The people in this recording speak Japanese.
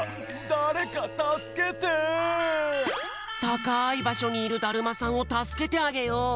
たかいばしょにいるだるまさんをたすけてあげよう！